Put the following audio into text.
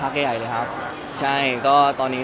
แล้วถ่ายละครมันก็๘๙เดือนอะไรอย่างนี้